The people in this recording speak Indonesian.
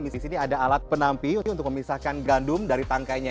disini ada alat penampi untuk memisahkan gandum dari tangkainya